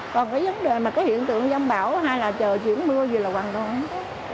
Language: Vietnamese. còn cái vấn đề mà cái hiện tượng giam bão hay là trời chuyển mưa gì là hoàn toàn không có